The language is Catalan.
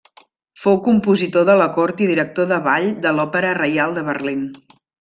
Fou compositor de la cort i director de ball de l'Òpera Reial de Berlín.